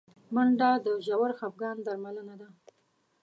منډه د ژور خفګان درملنه ده